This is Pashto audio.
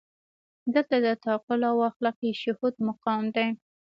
دلته د تعقل او اخلاقي شهود مقام دی.